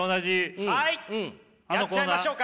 やっちゃいましょうか？